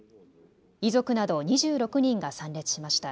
遺族など２６人が参列しました。